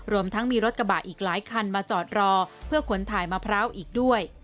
รวมทั้งมีรถกระบะอีกหลายคันมาจอดรอเพื่อขนถ่ายมะพร้าวอีกด้วย